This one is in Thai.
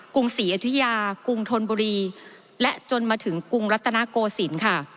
รุงศรีอยุธยากรุงธนบุรีและจนมาถึงกรุงรัตนโกศิลป์ค่ะ